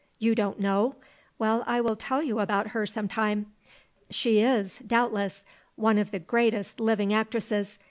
You don't know? Well, I will tell you about her some time. She is, doubtless, one of the greatest living actresses.